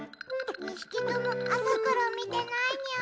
２ひきとも朝から見てないニャ。